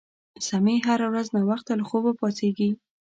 سمیع هره ورځ ناوخته له خوبه پاڅیږي